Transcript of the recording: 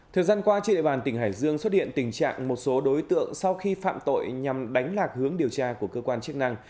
thời gian qua trên địa bàn tỉnh hải dương xuất hiện tình trạng một số đối tượng sau khi phạm tội nhằm đánh lạc hướng điều tra của cơ quan chức năng